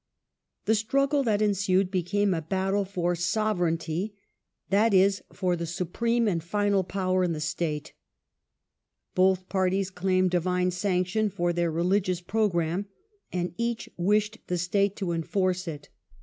The struggle that ensued became a battle for "sove reignty ", that is for the supreme and final power in the state. Both parties claimed divine sane sovereignty tion for their religious programme, and each s'* wished the state to enforce it.